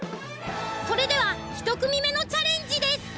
それでは１組目のチャレンジです。